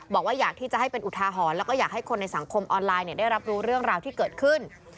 บอกว่าอยากที่จะให้เป็นอุทาหรณ์แล้วก็อยากให้คนในสังคมออนไลน์ได้รับรู้เรื่องราวที่เกิดขึ้น